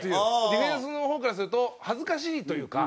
ディフェンスの方からすると恥ずかしいというか。